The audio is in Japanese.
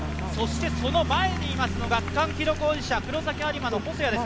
その前にいますのが区間記録保持者、黒崎播磨の細谷です。